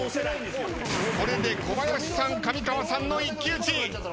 これで小林さん上川さんの一騎打ち。